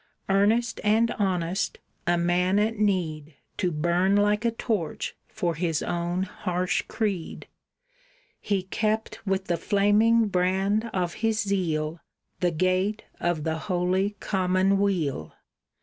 Earnest and honest, a man at need To burn like a torch for his own harsh creed, He kept with the flaming brand of his zeal The gate of the holy common weal.